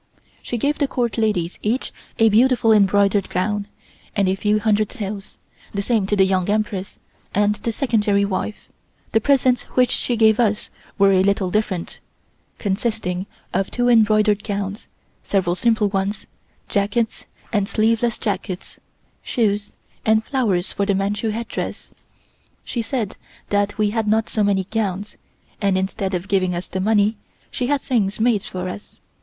She gave the Court ladies each a beautiful embroidered gown and a few hundred taels, the same to the Young Empress and the Secondary wife. The presents which she gave us were a little different, consisting of two embroidered gowns, several simple ones, jackets and sleeveless jackets, shoes, and flowers for the Manchu headdress. She said that we had not so many gowns, and instead of giving us the money, she had things made for us.